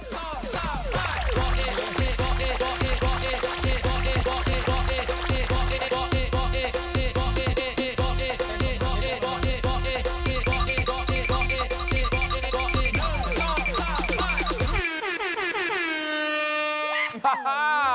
หนึ่งสองสามห้า